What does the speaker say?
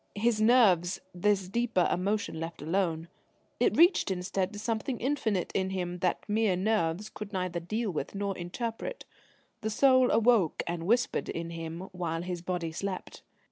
His nerves this deeper emotion left alone: it reached instead to something infinite in him that mere nerves could neither deal with nor interpret. The soul awoke and whispered in him while his body slept.